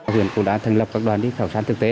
huyện cũng đã thành lập các đoàn đi khảo sát thực tế